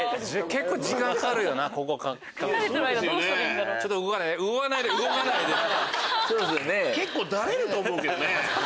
結構だれると思うけどね